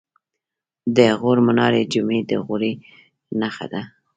د غور منارې جمعې د غوري نښه ده